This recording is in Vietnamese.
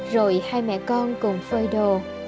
rồi hai mẹ con cùng phơi đồ